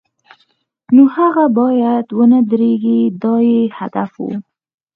نو هغه باید و نه دردېږي دا یې هدف و.